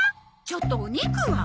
ちょっとお肉は？